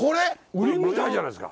ウリみたいじゃないですか。